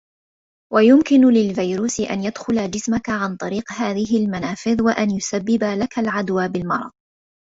ويمكن للفيروس أن يدخل جسمك عن طريق هذه المنافذ وأن يسبب لك العدوى بالمرض.